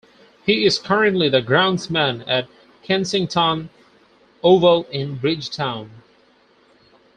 He is currently the groundsman at Kensington Oval in Bridgetown.